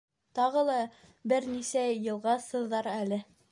Тағы ла бер нисә йылға сыҙар әле.